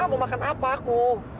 mau makan apa aku